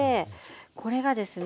これがですね